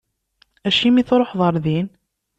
Acimi i tṛuḥeḍ ɣer din?